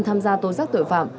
tham gia tối giác tội phạm